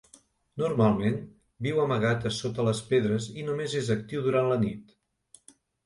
Normalment, viu amagat a sota de les pedres i només és actiu durant la nit.